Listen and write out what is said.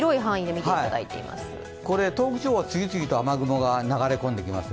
東北地方は次々と雨雲が流れ込んできます。